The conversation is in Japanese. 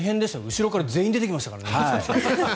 後ろから全員出てきましたからね。